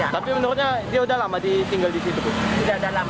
tapi menurutnya dia udah lama tinggal di situ